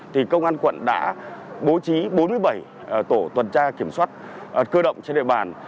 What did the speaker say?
thì công an quận đã bố trí bốn mươi bảy tổ tuần tra kiểm soát cơ động trên địa bàn